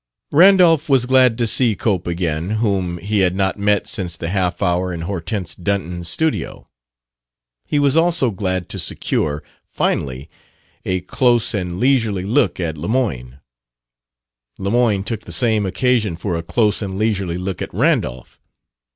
Randolph was glad to see Cope again, whom he had not met since the half hour in Hortense Dunton's studio. He was also glad to secure, finally, a close and leisurely look at Lemoyne. Lemoyne took the same occasion for a close and leisurely look at Randolph.